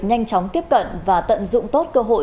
nhanh chóng tiếp cận và tận dụng tốt cơ hội